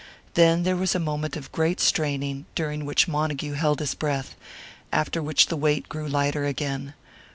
Then there was a moment of great straining, during which Montague held his breath; after which the weight grew lighter again.